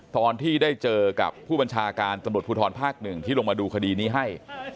ตอนที่ได้เจอกับผู้บัญชาการตำรวจภูทรภาค๑ที่ลงมาดูคดีนี้ให้